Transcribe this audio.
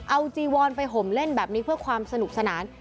เอาจีวอนไปห่มเล่นแบบนี้เพื่อความสนุกสนาน